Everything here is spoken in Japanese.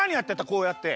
こうやって。